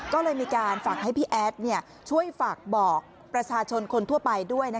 ก็เลยมีการฝากให้พี่แอดช่วยฝากบอกประชาชนคนทั่วไปด้วย